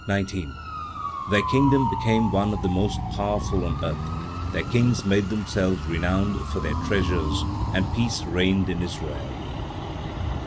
Their kingdom became one of the most powerful on earth; their kings made themselves renowned for their treasures, and peace reigned in Israel.